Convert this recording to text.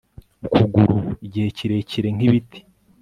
ukuguru igihe kirekire nk'ibiti